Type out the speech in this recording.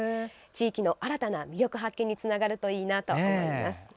地域の新たな魅力発見につながるといいなと思います。